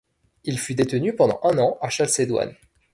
Il fut détenu pendant un an à Chalcédoine.